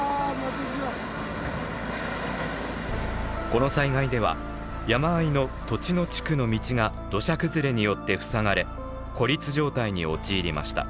この災害では山あいの栃野地区の道が土砂崩れによって塞がれ孤立状態に陥りました。